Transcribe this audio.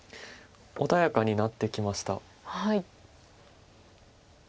穏やかになってきました。